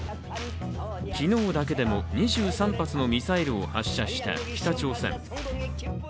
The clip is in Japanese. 昨日だけでも２３発のミサイルを発射した北朝鮮。